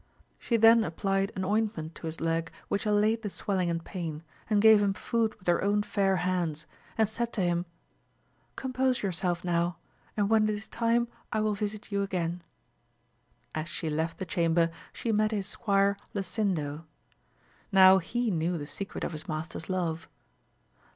She then applied an 172 AMADIS OF GAUL. ointment to his leg which allayed the swelling and pain, and gave him food with her. own fair hands, and said to him, Compose yourself now, and when it is time I will visit you again. As she left the chamber she met his squire Lasindo ; now lie knew the secret of his master's love.